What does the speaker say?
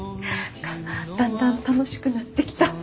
だんだん楽しくなってきた。